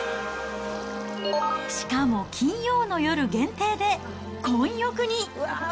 しかも金曜の夜限定で、混浴に。